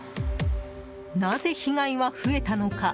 なぜ被害は増えたのか。